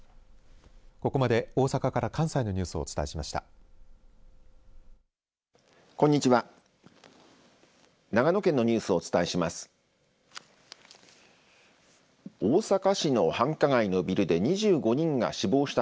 ここまで大阪から関西のニュースをお伝えしました。